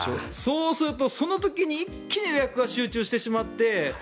そうすると、その時に一気に予約が集中してしまって。